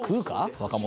若者。